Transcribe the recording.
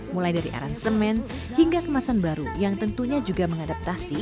mulai dari aransemen hingga kemasan baru yang tentunya juga mengadaptasi